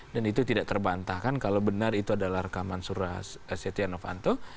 dan itu tidak terbantahkan kalau benar itu adalah rekaman surah setia novanto